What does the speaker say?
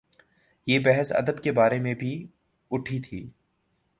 یہ بحث ادب کے بارے میں بھی اٹھی تھی۔